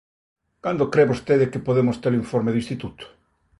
Cando cre vostede que podemos ter o informe do instituto?